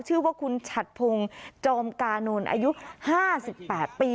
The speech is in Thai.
ชื่อว่าคุณฉัดพงศ์จอมกานนท์อายุ๕๘ปี